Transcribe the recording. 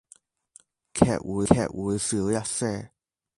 悲劇會少一些